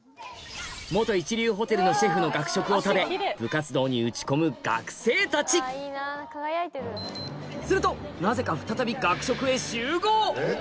一流ホテルのシェフの学食を食べ部活動に打ち込む学生たちするとなぜか再び学食へ集合